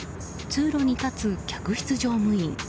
通路に立つ客室乗務員。